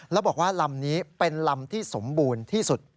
แล้วบอกว่าลำนี้เป็นลำที่สมบูรณ์ที่สุด